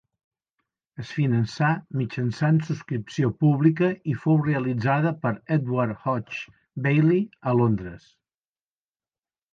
Es finançà mitjançant subscripció pública i fou realitzada per Edward Hodges Baily a Londres.